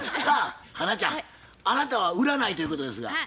さあ花ちゃんあなたは売らないということですが。